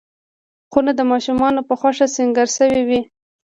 خونه د ماشوم په خوښه سینګار شوې وي.